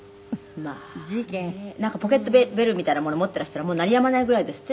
「まあ」「ポケットベルみたいなもの持っていらしたら鳴りやまないぐらいですって？